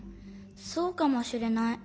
そうかもしれない。